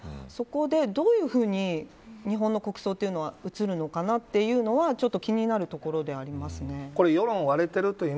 そこで、どういうふうに日本の国葬というのは映るのかなというのはちょっと気になるところではありますね。